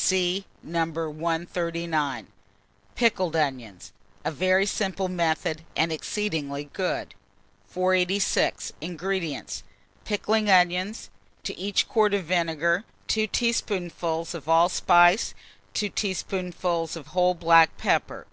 (See No. 139.) PICKLED ONIONS (a very Simple Method, and exceedingly Good). 486. INGREDIENTS. Pickling onions; to each quart of vinegar, 2 teaspoonfuls of allspice, 2 teaspoonfuls of whole black pepper.